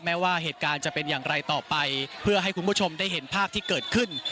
ว่าเหตุการณ์จะเป็นอย่างไรต่อไปเพื่อให้คุณผู้ชมได้เห็นภาพที่เกิดขึ้น